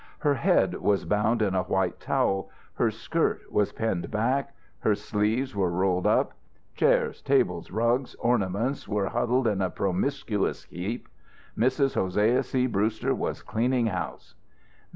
Her head was bound in a white towel. Her skirt was pinned back. Her sleeves were rolled up. Chairs, tables, rugs, ornaments were huddled in a promiscuous heap. Mrs. Hosea C. Brewster was cleaning house.